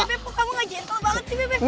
bebe kamu gak gentle banget sih bebe